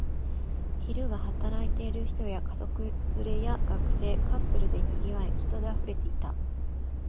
昼は働いている人や、家族連れや学生、カップルで賑わい、人で溢れていた